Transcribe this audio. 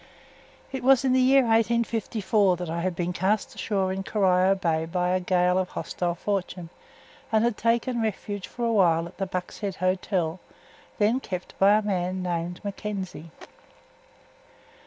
It was in the year 1854, when I had been cast ashore in Corio Bay by a gale of hostile fortune, and had taken refuge for a while at the Buck's Head Hotel, then kept by a man named McKenzie.